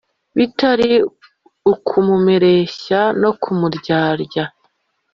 bitari ukumureshya no kumuryarya,